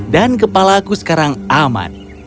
dan kepalaku sekarang aman